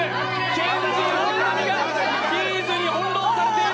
ケンジ・ホンナミがビーズに翻弄されている！